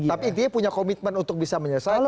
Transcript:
tapi dia punya komitmen untuk bisa menyesuaikan